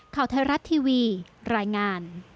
ข่าวไทยรัฐทีวีรายงาน